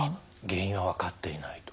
原因は分かっていないと。